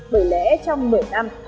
bởi lẽ trong một mươi năm